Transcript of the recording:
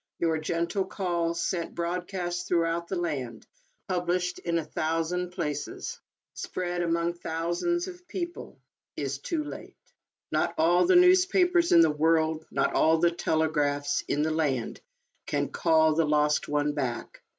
Your gentle call, sent broadcast throughout the land, published in a thousand places, spread among thousands of peo ple, is too late. Not all the newspapers in the world, not all the telegraphs in the land, can call the lost one back.